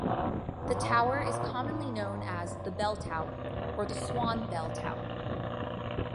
The tower is commonly known as The Bell Tower or the Swan Bell Tower.